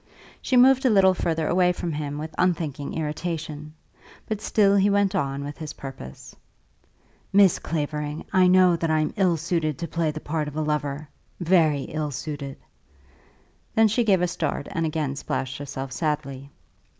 She moved a little further away from him with unthinking irritation; but still he went on with his purpose. "Miss Clavering, I know that I am ill suited to play the part of a lover; very ill suited." Then she gave a start and again splashed herself sadly.